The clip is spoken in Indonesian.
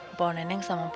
bapak neneng sama bapak eti